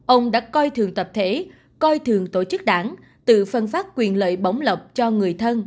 ông đã coi thường tập thể coi thường tổ chức đảng tự phân phát quyền lợi bỏng lộc cho người thân